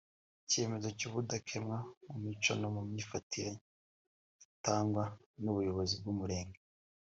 icyemezo cy’ubudakemwa mu mico no mu myifatire gitangwa n’ubuyobozi bw’Umurenge